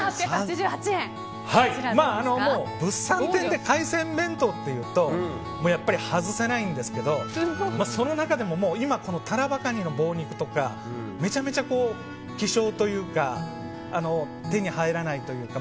物産展で海鮮弁当というとやっぱり外せないんですけどその中でも今タラバガニの棒肉とかめちゃくちゃ希少というか手に入らないというか。